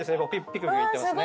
ピクピクいってますね。